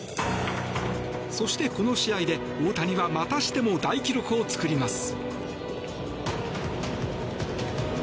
そして、この試合で大谷はまたしても大記録を作ります。